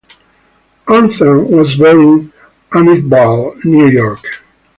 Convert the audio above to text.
Arnzen was born in Amityville, New York.